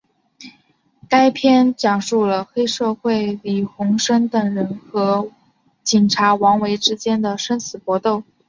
该片讲述黑社会李鸿声等人和警察王维之间的生死搏斗。